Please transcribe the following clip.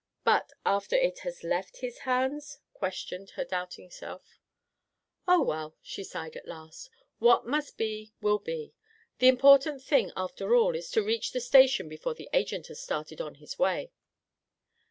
"But, after it has left his hands?" questioned her doubting self. "Oh well," she sighed at last, "what must be, will be. The important thing after all is to reach the station before the Agent has started on his way."